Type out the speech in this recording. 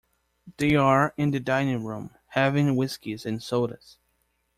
They’re in the dining-room having whiskies-and-sodas.